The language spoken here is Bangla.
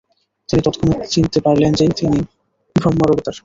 তিনি তৎক্ষণাত চিনতে পারলেন যে তিনি ব্রহ্মার অবতার ।